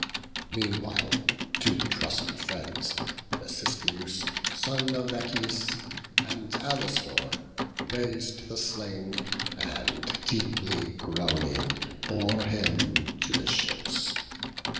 Meanwhile, two trusty friends, Mecistheus, son Of Echius, and Alastor, rais'd the slain, And deeply groaning bore him to the ships.